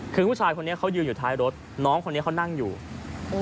คือผู้ชายคนนี้เขายืนอยู่ท้ายรถน้องคนนี้เขานั่งอยู่โอ้